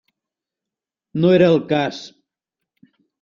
No era el cas.